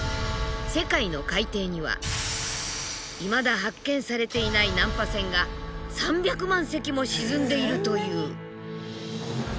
世界の海底にはいまだ発見されていない難破船が３００万隻も沈んでいるという。